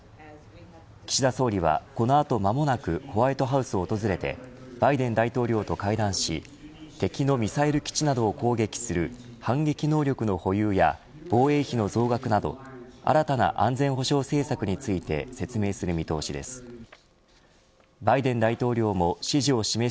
岸田総理はこの後間もなくホワイトハウスを訪れてバイデン大統領と会談し敵のミサイル基地などを攻撃する反撃能力の保有や防衛費の増額など新たな安全保障政策について説明する見通しです。